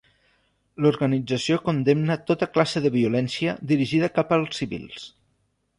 L'organització condemna tota classe de violència dirigida cap als civils.